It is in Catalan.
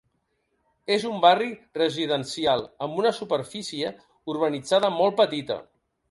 És un barri residencial amb una superfície urbanitzada molt petita.